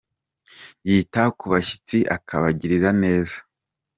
Yita ku bashyitsi akabagirira neza ;